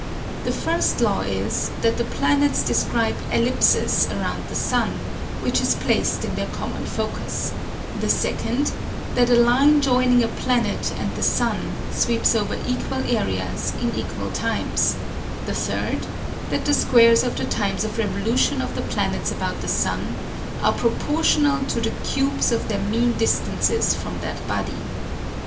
The first law is, that the planets describe ellipses around the sun, which is placed in their common focus; the second, that a line joining a planet and the sun sweeps over equal areas in equal times; the third, that the squares of the times of revolution of the planets about the sun are proportional to the cubes of their mean distances from that body.